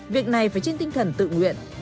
việc này phải trên tinh thần tự nguyện